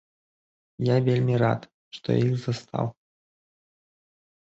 Я вельмі рад, што я іх застаў.